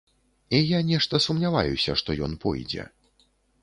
І я нешта сумняваюся, што ён пойдзе.